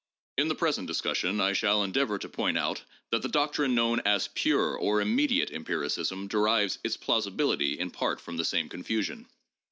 In the present discussion I shall endeavor to point out that the doctrine known as 'pure' or 'immediate' empiricism derives its plausibility in part from the same confusion.